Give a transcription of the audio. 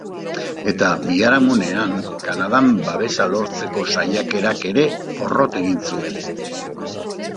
Eta, biharamunean, Kanadan babesa lortzeko saiakerak ere porrot egin zuen.